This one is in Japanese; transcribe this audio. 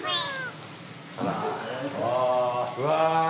うわ。